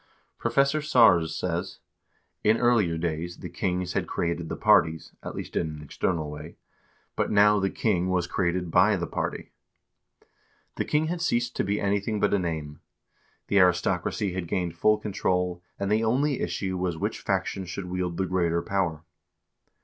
Professor Sars says :" In earlier days the kings had created the parties, at least in an external way, but now the king was created by the party.2 The king had ceased to be anything but a name. The aristocracy had gained full control, and the only issue was which faction should wield the greater power."